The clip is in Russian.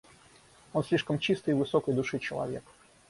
Он слишком чистый и высокой души человек.